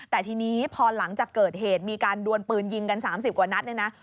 แต่ทีนี้พอหลังจากเกิดเหตุมีการดวนปืนยิงกัน๓๐กว่านัดเนี่ยนะ